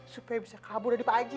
supaya bisa kabur dari pak haji